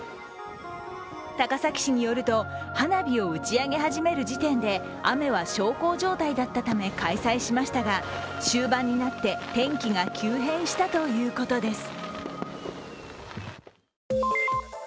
高崎市によると、花火を打ちあげ始める時点で雨は小康状態だったため開催しましたが、終盤になって天気が急変したということです。